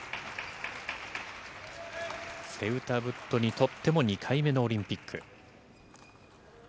セウタブットにとっても２回目のオリンピック。